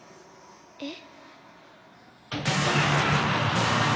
えっ？